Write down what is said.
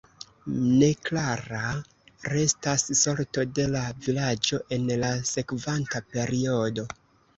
Neklara restas sorto de la vilaĝo en la sekvanta periodo.